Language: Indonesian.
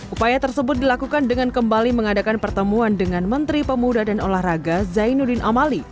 upaya tersebut dilakukan dengan kembali mengadakan pertemuan dengan menteri pemuda dan olahraga zainuddin amali